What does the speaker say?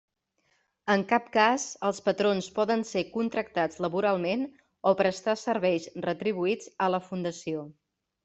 En cap cas els patrons poden ser contractats laboralment o prestar serveis retribuïts a la Fundació.